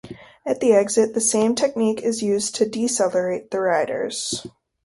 At the exit, the same technique is used to decelerate the riders.